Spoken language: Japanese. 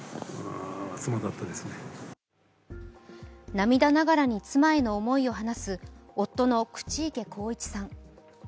涙ながらに妻への思いを話す夫の口池幸一さん。